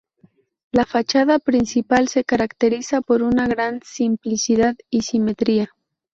La fachada principal se caracteriza por una gran simplicidad y simetría.